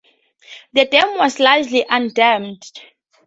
The dam was largely undamaged.